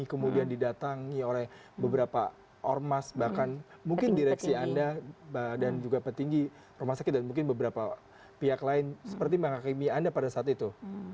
kemudian didatangi oleh beberapa ormas bahkan mungkin direksi anda dan juga petinggi rumah sakit dan mungkin beberapa pihak lain seperti menghakimi anda pada saat itu